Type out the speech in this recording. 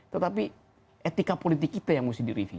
tetapi etika politik kita yang harus direview